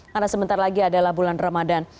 karena sebentar lagi adalah bulan ramadan